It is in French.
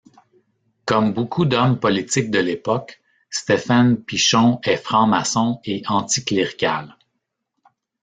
Comme beaucoup d'hommes politiques de l'époque, Stephen Pichon est franc-maçon et anticlérical.